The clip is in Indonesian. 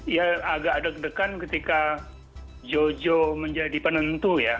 ya agak deg degan ketika jojo menjadi penentu ya